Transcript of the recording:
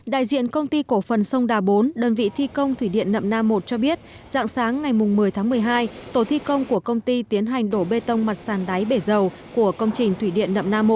đại diện công ty cổ phần sông đà bốn đơn vị thi công thủy điện nậm nam một cho biết dạng sáng ngày một mươi tháng một mươi hai tổ thi công của công ty tiến hành đổ bê tông mặt sàn đáy bể dầu của công trình thủy điện nậm nam một